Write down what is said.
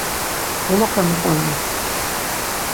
Doloxe muqoni.